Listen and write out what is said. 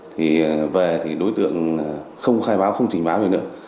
thì về thì đối tượng không khai báo không trình báo về nữa